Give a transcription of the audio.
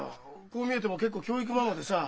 こう見えても結構教育ママでさ。